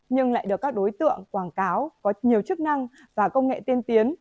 nhưng lại được các đối tượng quảng cáo có nhiều chức năng và công nghệ tiên tiến